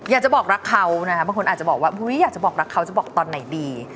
อยากจะบอกรักเขานะคะบางคนอาจจะบอกว่าอยากจะบอกรักเขาจะบอกตอนไหนดี